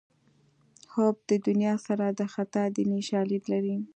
حب د دنیا سر د خطا دیني شالید لري